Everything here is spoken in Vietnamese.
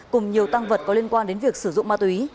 cùng nhiều tăng vật có liên quan đến việc sử dụng ma túy